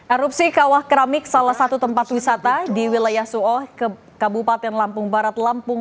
erupsi kawah keramik salah satu tempat wisata di wilayah suoh kabupaten lampung barat lampung